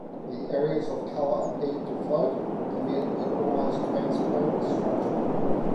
The areas of color appeared to float, giving it an almost transparent structure.